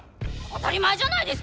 当たり前じゃないですか！